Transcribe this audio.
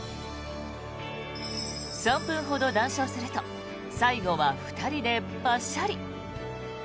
３分ほど談笑すると最後は２人でパシャリ。